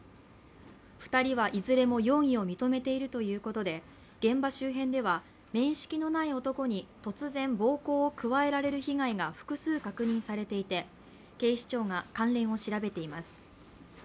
２人はいずれも容疑を認めているということで現場周辺では面識のない男に突然、暴行を加えられる被害が複数確認されていて、警視庁が関連を調べています。